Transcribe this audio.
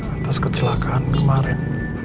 atas kecelakaan kemarin